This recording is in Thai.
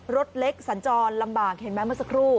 รถเล็กสัญจรลำบากเห็นไหมเมื่อสักครู่